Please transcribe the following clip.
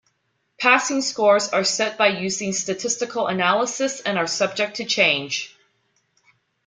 Passing scores are set by using statistical analysis and are subject to change.